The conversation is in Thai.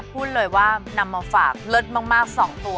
พูดเลยว่านำมาฝากเลิศมาก๒ตัว